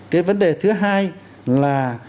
cái vấn đề thứ hai là